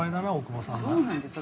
そうなんですよ。